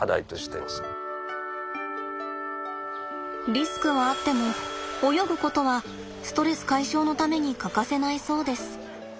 リスクはあっても泳ぐことはストレス解消のために欠かせないそうです。